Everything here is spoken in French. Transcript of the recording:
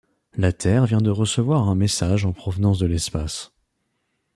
La Terre vient de recevoir un message en provenance de l'espace.